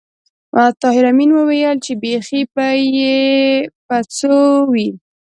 طاهر آمین وویل چې بېخ به یې په څو وي